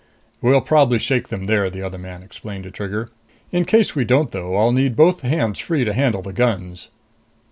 "We'll probably shake them there," the other man explained to Trigger. "In case we don't though, I'll need both hands free to handle the guns."